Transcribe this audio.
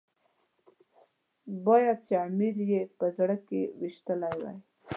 باید چې امیر یې په زړه کې ويشتلی وای.